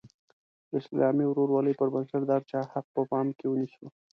د اسلامي ورورولۍ پر بنسټ د هر چا حق په پام کې ونیسو.